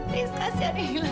please kasih adik lila